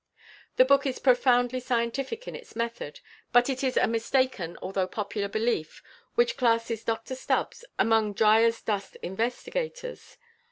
The book is profoundly scientific in its method, but it is a mistaken, although popular, belief which classes Dr Stubbs among Dryasdust investigators.